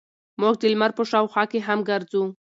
موږ د لمر په شاوخوا کې هم ګرځو.